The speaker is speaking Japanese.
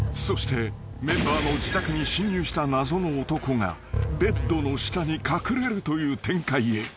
［そしてメンバーの自宅に侵入した謎の男がベッドの下に隠れるという展開へ］